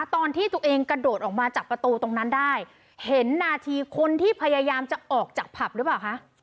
ตอนที่ตัวเองกระโดดออกมาจากประตูตรงนั้นได้เห็นนาทีคนที่พยายามจะออกจากผับหรือเปล่าคะ